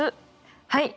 はい。